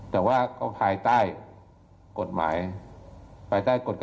ท่านพรุ่งนี้ไม่แน่ครับ